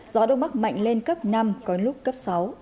gió đông bắc mạnh lên cấp năm có lúc cấp sáu